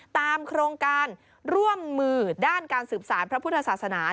ตามโครงการร่วมมือด้านการสืบสารพระพุทธศาสนา